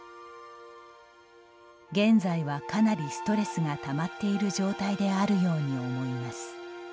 「現在は、かなりストレスがたまっている状態であるように思います。